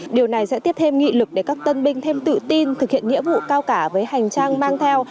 điều này sẽ tiếp thêm nghị lực để các tân binh thêm tự tin thực hiện nghĩa vụ cao cả với hành trang mang theo